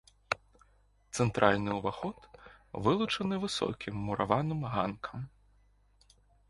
Цэнтральны ўваход вылучаны высокім мураваным ганкам.